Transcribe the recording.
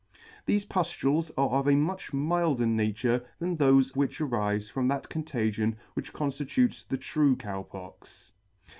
Thefe puftules are of a much milder nature than thofe which arife from that contagion which conftitutes the true t 8 ] true Cow Pox.